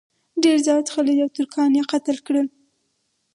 ډېر زیات خلج او ترکان یې قتل کړل.